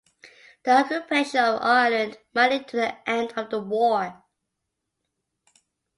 The occupation of Ireland might lead to the end of the war.